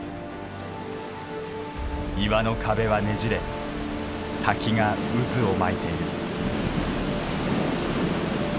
岩の壁はねじれ滝が渦を巻いている。